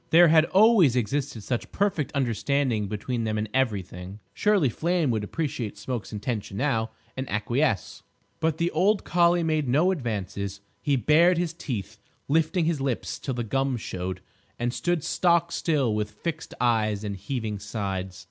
There had always existed such perfect understanding between them in everything. Surely Flame would appreciate Smoke's intention now, and acquiesce. But the old collie made no advances. He bared his teeth, lifting his lips till the gums showed, and stood stockstill with fixed eyes and heaving sides.